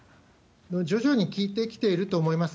徐々に効いてきていると思います。